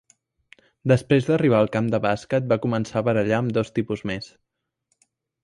Després d'arribar al camp de bàsquet, va començar a ballar amb dos tipus més.